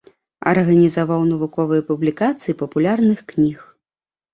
Арганізаваў навуковыя публікацыі папулярных кніг.